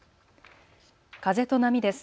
風と波です。